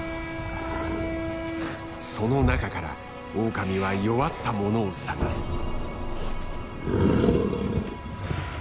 その中からオオカミは弱ったものを探す。